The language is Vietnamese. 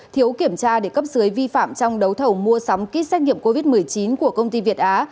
thiếu kiểm tra để cấp dưới vi phạm trong đấu thầu mua sắm kit xét nghiệm covid một mươi chín của công ty việt á